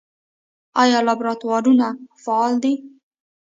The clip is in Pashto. آیا لابراتوارونه فعال دي؟